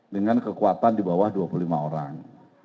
dengan kekuatan di bawah dua puluh lima orang